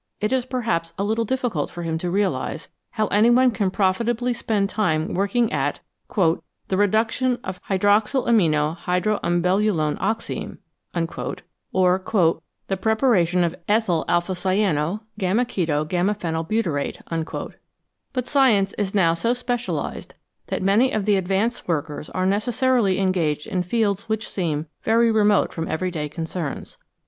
It is perhaps a little difficult for him to realise how any one can profitably spend time working at "The Reduction of Hydroxylarninohydroumbelluloneoxime" or "The Pre paration of Ethyl a cyano y keto y phenyl butyrate," but science is now so specialised that many of the advance workers are necessarily engaged in fields which seem very remote from everyday concerns.